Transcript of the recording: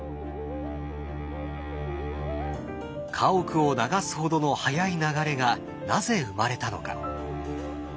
家屋を流すほどの速い流れがなぜ生まれたのか？